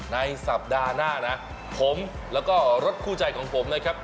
ในสัปดาห์หน้านะผมแล้วก็รถคู่ใจของผมนะครับ